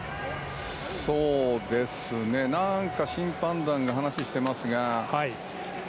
そうですね、何か審判団が話をしていますが。